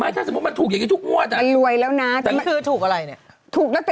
ถ้าถูกอย่างนี้แบบนั้นถูกนวดอ่ะ